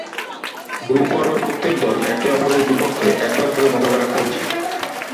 Group পর্বে প্রত্যেক দল একে-অপরের বিপক্ষে একবার করে মোকাবেলা করছে।